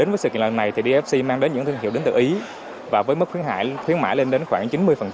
với sự kiện lần này thì dfc mang đến những thương hiệu đến từ ý và với mức khuyến hải khuyến mãi lên đến khoảng chín mươi